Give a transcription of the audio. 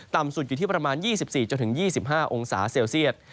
ต่ำสุดอยู่ที่ประมาณ๒๔๒๕องศาเซลเซียต